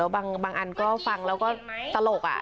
แล้วบางันให้เราฟังแล้วก็ตลกอะ